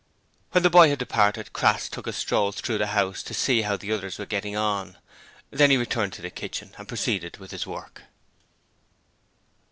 When the boy had departed Crass took a stroll through the house to see how the others were getting on. Then he returned to the kitchen and proceeded with his work.